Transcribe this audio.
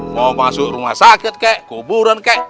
mau masuk rumah sakit kek kuburan kek